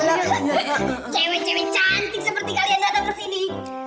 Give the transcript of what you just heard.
cewek cewek cantik seperti kalian datang ke sini